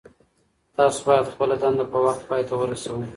تاسو باید خپله دنده په وخت پای ته ورسوئ.